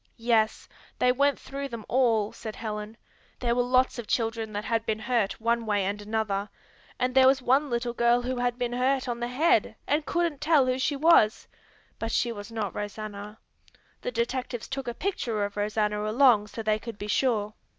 "Yes, they went through them all," said Helen. "There were lots of children that had been hurt one way and another, and there was one little girl who had been hurt on the head, and couldn't tell who she was, but she was not Rosanna. The detectives took a picture of Rosanna along so they could be sure."